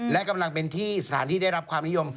และกำลังเป็นที่สถานที่ได้รับความนิยม